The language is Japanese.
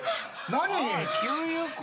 何？